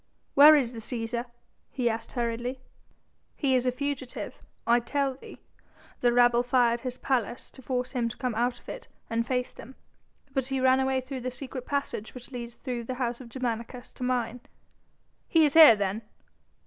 "Where is the Cæsar?" he asked hurriedly. "He is a fugitive, I tell thee. The rabble fired his palace to force him to come out of it and face them. But he ran away through the secret passage which leads through the house of Germanicus to mine." "He is here then?"